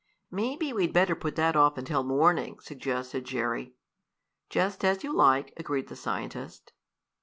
"Maybe we'd better put that off until morning," suggested Jerry. "Just as you like," agreed the scientist.